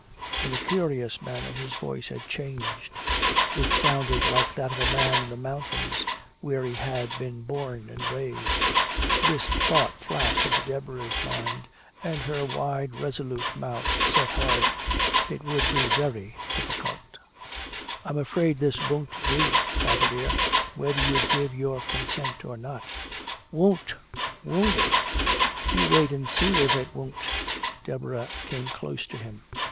In a curious manner his voice had changed. It sounded like that of a man in the mountains, where he had been born and raised. This thought flashed into Deborah's mind and her wide resolute mouth set hard. It would be very difficult. "I'm afraid this won't do, father dear. Whether you give your consent or not " "Wun't, wun't it! You wait and see if it wun't!" Deborah came close to him.